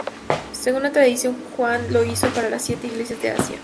Según la tradición, Juan lo hizo para las siete iglesias de Asia.